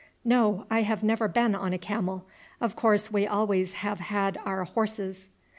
"No. I have never been on a camel. Of course we always have had our horses."